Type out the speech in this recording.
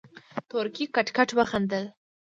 تورکي کټ کټ وخندل.